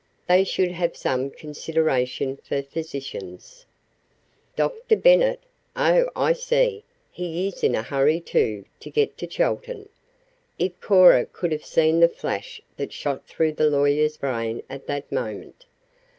They should have some consideration for physicians." "Dr. Bennet? Oh, I see. He is in a hurry, too, to get to Chelton." (If Cora could have seen the flash that shot through the lawyer's brain at that moment.)